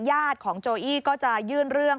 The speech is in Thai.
ญาติของโจอี้ก็จะยื่นเรื่อง